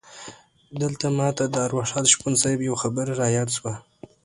دلته ماته د ارواښاد شپون صیب یوه خبره رایاده شوه.